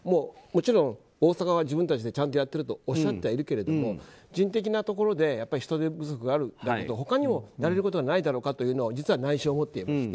もちろん大阪は自分たちでちゃんとやっているとはおっしゃってはいるけれども人的なところで人手不足があるけれども他にもやれることがないだろうかというのを実は内心思っている。